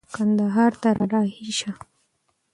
کندهار ته را رهي شه.